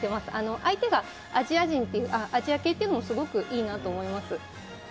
相手がアジア系というのもいいと思います。